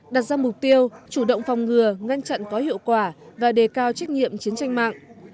đặt ra mục tiêu chủ động phòng ngừa ngăn chặn có hiệu quả và đề cao trách nhiệm chiến tranh mạng